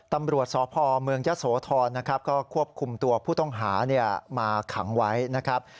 ตำรวจสพเมืองยะโสธรนะครับก็ควบคุมตัวผู้ต้องหามาขังไว้นะครับ